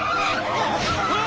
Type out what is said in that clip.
ああ！